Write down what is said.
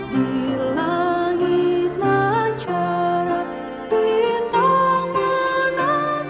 di langit lancaran bintang menantang